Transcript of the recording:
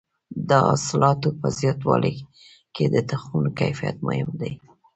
د حاصلاتو په زیاتولو کې د تخمونو کیفیت مهم دی.